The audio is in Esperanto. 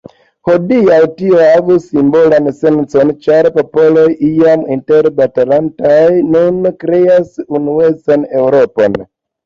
Hodiaŭ tio havus simbolan sencon, ĉar popoloj iam interbatalantaj nun kreas unuecan Eŭropon.